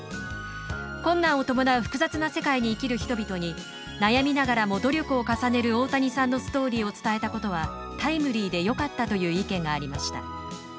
「困難を伴う複雑な世界に生きる人々に悩みながらも努力を重ねる大谷さんのストーリーを伝えたことはタイムリーでよかった」という意見がありました。